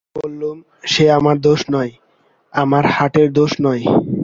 আমি বললুম, সে আমার দোষ নয়, আমার হাটের দোষ নয়।